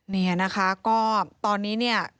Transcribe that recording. เนี่ยนะคะก็ตอนนี้เนี่ย